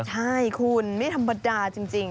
ใช่คุณไม่ธรรมดาจริง